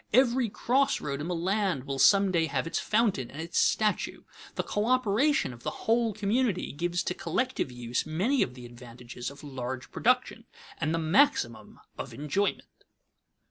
Every cross road in the land will some day have its fountain and its statue. The coöperation of the whole community gives to collective use many of the advantages of large production, and the maximum of enjoyment.